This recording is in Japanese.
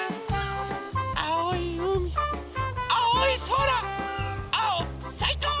あおいうみあおいそら！あおさいこう！